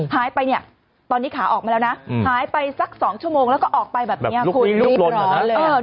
หายไปเนี่ยตอนนี้ขาออกมาแล้วนะหายไปสัก๒ชั่วโมงแล้วก็ออกไปแบบนี้